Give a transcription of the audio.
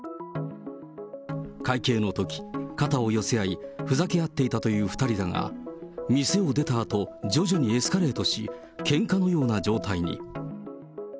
会計のとき、肩を寄せ合い、ふざけ合っていたという２人だが、店を出たあと、徐々にエスカレートし、けんかのような状態に。